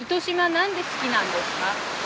何で好きなんですか？